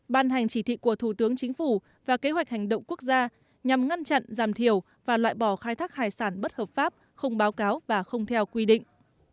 ban hành chỉ thị của thủ tướng chính phủ và kế hoạch hành động quốc gia nhằm ngăn chặn giảm thiểu và loại bỏ khai thác hải sản bất hợp pháp không báo cáo và không theo quy định